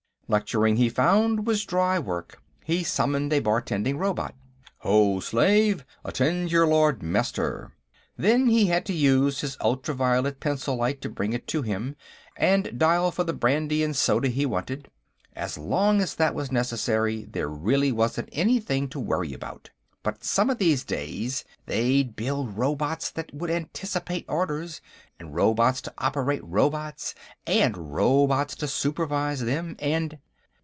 Lecturing, he found, was dry work. He summoned a bartending robot: "Ho, slave! Attend your Lord Master!" Then he had to use his ultraviolet pencil light to bring it to him, and dial for the brandy and soda he wanted. As long as that was necessary, there really wasn't anything to worry about. But some of these days, they'd build robots that would anticipate orders, and robots to operate robots, and robots to supervise them, and....